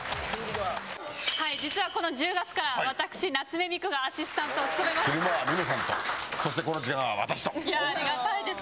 はい実はこの１０月から私夏目三久がアシスタントを務めますありがたいです